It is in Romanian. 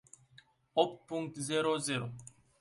Opt punct zero zero.